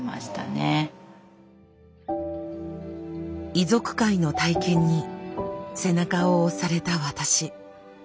遺族会の体験に背中を押された私。